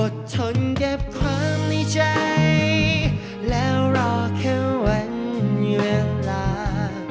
ทนเก็บความในใจแล้วรอแค่วันเวลา